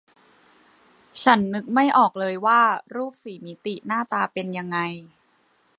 ฉันนึกไม่ออกเลยว่ารูปสี่มิติหน้าตาเป็นยังไง